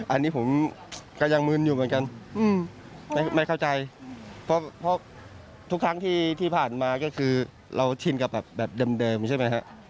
อันนี้ผมก็ยังมึนอยู่เหมือนกันไม่เข้าใจเพราะทุกครั้งที่ผ่านมาก็คือเราชินกับแบบเดิมใช่ไหมฮะ